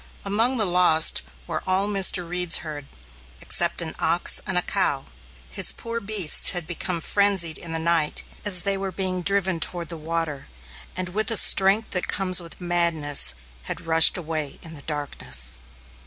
Among the lost were all Mr. Reed's herd, except an ox and a cow. His poor beasts had become frenzied in the night, as they were being driven toward water, and with the strength that comes with madness, had rushed away in the darkness.